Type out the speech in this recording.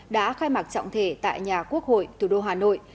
đã khai mạc trọng thể tại nhà quốc hội thủ đô hà nội